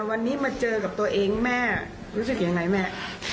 วันนี้มาเจอกับตัวเองแม่รู้สึกยังไงแม่